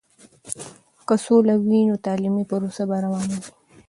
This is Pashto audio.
که سوله وي، نو تعلیمي پروسه به روانه وي.